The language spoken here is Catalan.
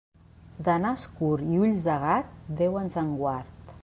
De nas curt i ulls de gat, Déu ens en guard.